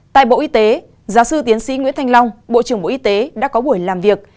tại bộ y tế giáo sư tiến sĩ nguyễn thanh long bộ trưởng bộ y tế đã có buổi làm việc